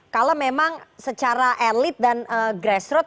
kalau memang secara elit dan grassroot